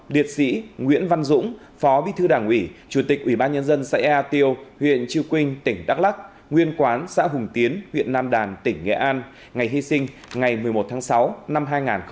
liệt sĩ nguyễn văn dũng phó bí thư đảng ủy chủ tịch ủy ban nhân dân xã ea tiêu huyện chư quynh tỉnh đắk lắc nguyên quán xã hùng tiến huyện nam đàn tỉnh nghệ an ngày hy sinh ngày một mươi một tháng sáu năm hai nghìn hai mươi